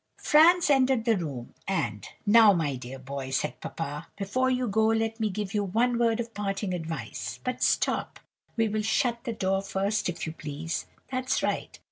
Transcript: "Franz entered the room, and 'Now, my dear boy,' said papa, 'before you go, let me give you one word of parting advice; but stop, we will shut the door first, if you please. That's right.